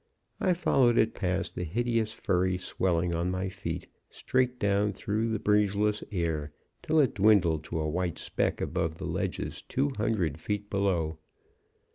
I followed it past the hideous furry swelling on my feet, straight down through the breezeless air, till it dwindled to a white speck above the ledges two hundred feet below.